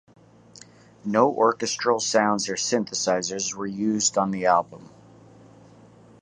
No orchestral sounds or synthesizers were used on the album.